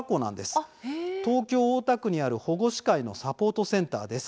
ここは東京・大田区にある保護司会のサポートセンターです。